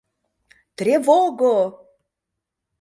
— Тревого!